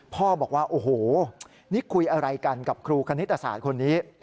พ่อบอกว่าโอ้โหนี่คุยอะไรกันกับครูคณิตศาสตร์คนนี้